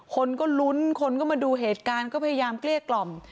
คนก็ลุ้นคนก็มาดูเหตุการณ์ก็พยายามเกลี้ยกล่อม